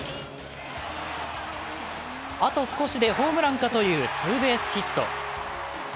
あと少しでホームランかというツーベースヒット。